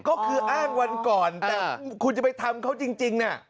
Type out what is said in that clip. ก็คืออ้างวันก่อนแต่คุณจะไปทำเขาจริงน่ะ